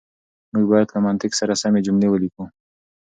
موږ بايد له منطق سره سمې جملې وليکو.